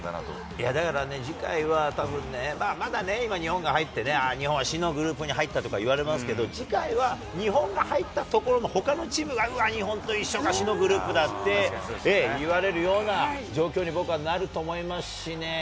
いやだからね、次回はたぶんね、ただね、日本が入ってね、ああ、日本は死のグループに入ったとかいわれますけど、次回は日本が入ったところのほかのチームが、うわ、日本と同じか、死のグループだっていわれるような状況に、僕はなると思いますしね。